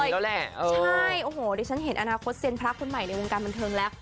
ใช่โอ้โหดิฉันเห็นอนาคตเซียนพระคนใหม่ในวงการบันเทิงแล้ว